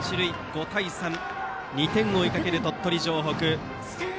５対３と２点を追いかける鳥取城北。